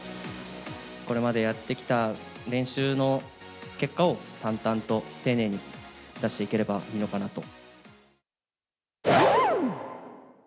これまでやってきた練習の結果を淡々と丁寧に出していければいいのかなと。